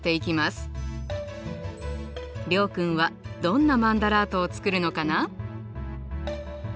諒君はどんなマンダラートを作るのかな？